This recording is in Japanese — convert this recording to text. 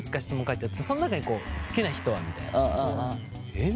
「えっ？」